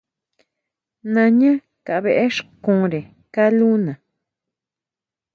Nañá kabʼéxkunre kalúna.